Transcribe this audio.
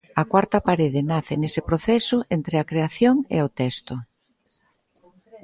A cuarta parede nace nese proceso entre a creación e o texto.